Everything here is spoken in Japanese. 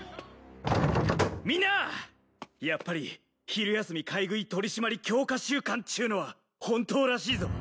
やっぱり昼休み買い食い取り締まり強化週間っちゅうのは本当らしいぞ。